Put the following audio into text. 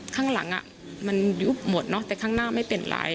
ข้างหลังมันยุบหมดเนอะแต่ข้างหน้าไม่เป็นไร